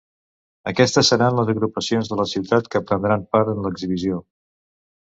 Aquestes seran les agrupacions de la ciutat que prendran part en l’exhibició.